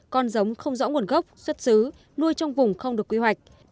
con giống không rõ nguồn gốc xuất xứ nuôi trong vùng không được quy hoạch